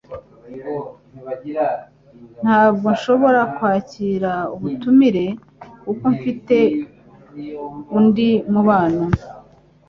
Ntabwo nshobora kwakira ubutumire kuko mfite undi mubano. .